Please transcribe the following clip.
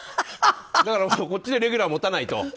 だからこっちでレギュラー持たないと。